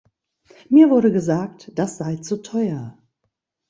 Mir wurde gesagt, das sei zu teuer.